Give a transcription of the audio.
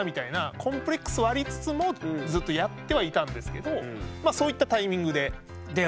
コンプレックスはありつつもずっとやってはいたんですけどそういったタイミングで。